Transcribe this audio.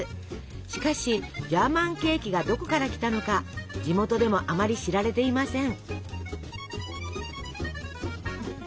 しかし「ジャーマンケーキ」がどこから来たのか地元でもあまり知られていません。